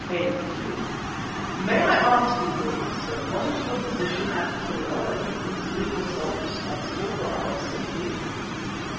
A.Q.: "Might I ask you, noble sir, what is your position at Kilwa, that you consider yourself responsible for our safety?"